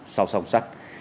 sau sòng sắc